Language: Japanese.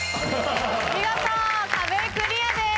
見事壁クリアです。